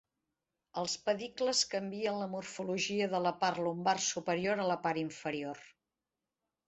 Els pedicles canvien de morfologia de la part lumbar superior a la part inferior.